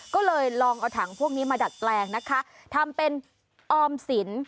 ก็เลยลองเอาถังพวกนี้มาดัดแปลงนะคะทำเป็นออมสิน